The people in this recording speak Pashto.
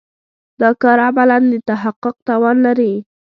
دا کار عملاً د تحقق توان لري.